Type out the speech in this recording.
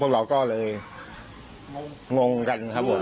พวกเราก็เลยงงกันครับผม